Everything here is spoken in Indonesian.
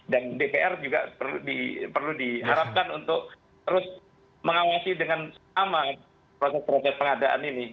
dan dpr juga perlu diharapkan untuk terus mengawasi dengan aman proses proses pengadaan ini